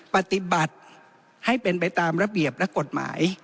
ปฏิบัติให้เป็นไปตามระเบียบและกฎหมาย